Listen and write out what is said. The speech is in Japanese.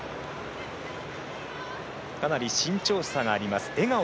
かなり身長差があります。